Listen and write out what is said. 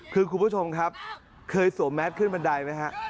คือคุณผู้ชมครับเคยสวมแมสขึ้นบันไดไหมฮะ